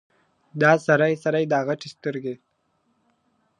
دا سرې سرې دا غټي سترګي !.